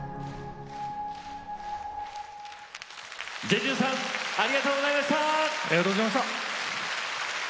ジェジュンさんありがとうございました。